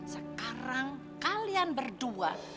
sekarang kalian berdua